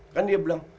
kan dia bilang